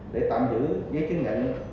để tạm giữ giấy chứng nhận